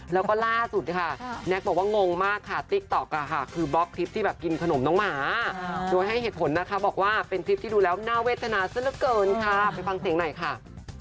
แล้วก็ล่าสุดนะคะแน็กบอกว่างงมากค่ะติ๊กต๊อกคือบล็อกคลิปที่แบบกินขนมน้องหมาโดยให้เหตุผลนะคะบอกว่าเป็นคลิปที่ดูแล้วน่าเวทนาซะละเกินค่ะไปฟังเสียงหน่อยค่ะ